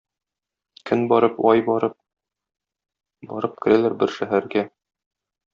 Көн барып, ай барып, барып керәләр бер шәһәргә.